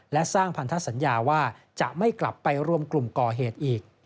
และสร้างพันธสัญญาว่าจะไม่กลับไปรวมกลุ่มก่อเหตุอีก